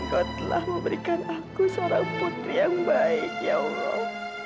kau telah memberikan aku seorang putri yang baik ya allah